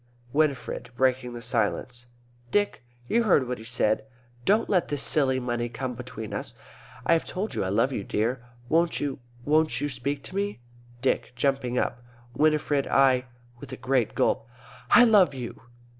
Winifred (breaking the silence). Dick, you heard what he said. Don't let this silly money come between us. I have told you I love you, dear. Won't you won't you speak to me? Dick (jumping up). Winifred I (with a great gulp) I LOVE YOU!!!